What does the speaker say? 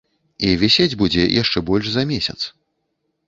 І вісець будзе яшчэ больш за месяц.